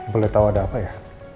boleh tahu ada apa ya